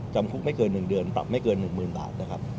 จำคุกไม่เกินหนึ่งเดือนปรับไม่เกินหนึ่งหมื่นบาทนะครับ